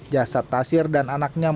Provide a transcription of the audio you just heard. jasad tasir dan anaknya